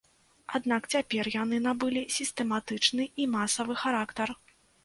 Аднак цяпер яны набылі сістэматычны і масавы характар.